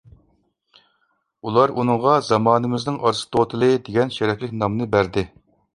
ئۇلار ئۇنىڭغا «زامانىمىزنىڭ ئارستوتىلى» دېگەن شەرەپلىك نامنى بەردى.